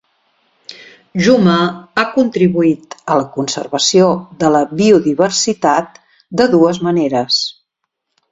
Juma ha contribuït a la conservació de la biodiversitat de dues maneres.